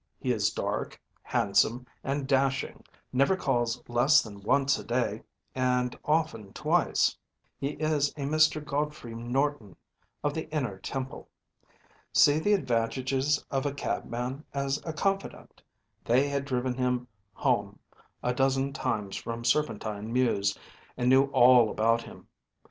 He is dark, handsome, and dashing, never calls less than once a day, and often twice. He is a Mr. Godfrey Norton, of the Inner Temple. See the advantages of a cabman as a confidant. They had driven him home a dozen times from Serpentine mews, and knew all about him.